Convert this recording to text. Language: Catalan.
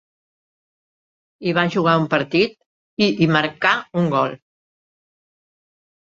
Hi va jugar un partit, i hi marcà un gol.